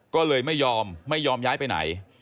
ก็เลยไม่ยอมไม่ยอมย้ายไปไหน